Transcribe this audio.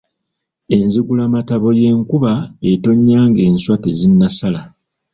Enzigula mattabo y’enkuba etonnya ng’enswa tezinnasala.